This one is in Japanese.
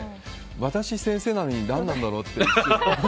私、先生なのに何なんだろうって。